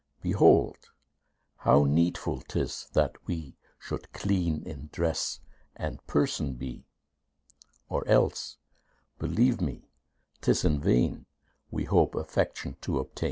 Behold how needful 'tis that we Should clean in dress and person be; Or else, believe me, 'tis in vain We hope affection to obtain.